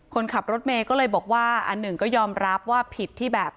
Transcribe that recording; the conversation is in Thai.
คนขับรถเมย์ก็เลยบอกว่าอันหนึ่งก็ยอมรับว่าผิดที่แบบ